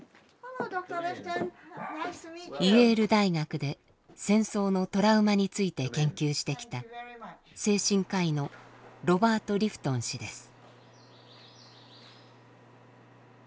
イェール大学で戦争のトラウマについて研究してきた精神科医のロバート・リフトン氏です。